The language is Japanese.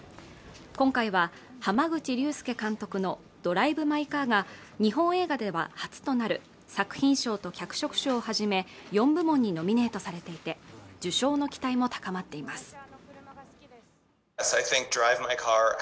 今回は濱口竜介監督の「ドライブ・マイ・カー」が日本映画では初となる作品賞と脚色賞をはじめ４部門にノミネートされていて受賞の期待も高まっています